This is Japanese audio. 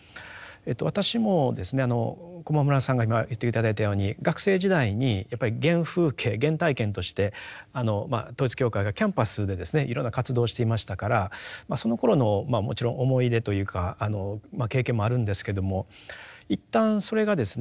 私もですね駒村さんが今言って頂いたように学生時代にやっぱり原風景原体験として統一教会がキャンパスでですねいろんな活動をしていましたからそのころのまあもちろん思い出というか経験もあるんですけども一旦それがですね